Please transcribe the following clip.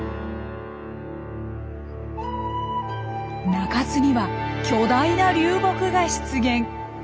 中州には巨大な流木が出現。